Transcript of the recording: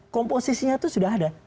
komposisinya itu sudah ada